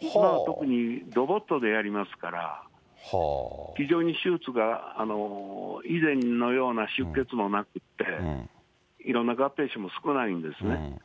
今は特に、ロボットでやりますから、非常に手術が、以前のような出血もなくて、いろんな合併症も少ないんですね。